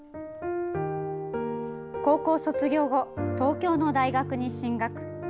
高校卒業後、東京の大学に進学。